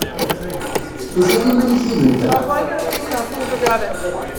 Tufiḍ iman-ik yid-nteɣ?